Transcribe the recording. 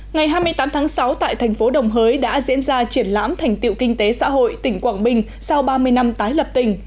ngày hai mươi tám tháng sáu tại thành phố đồng hới đã diễn ra triển lãm thành tiệu kinh tế xã hội tỉnh quảng bình sau ba mươi năm tái lập tỉnh